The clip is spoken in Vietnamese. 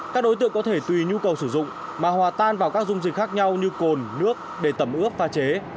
các đối tượng có thể tùy nhu cầu sử dụng mà hòa tan vào các dung dịch khác nhau như cồn nước để tẩm ướp pha chế